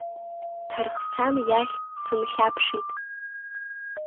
Ҭарсхан иахь сынхьаԥшит.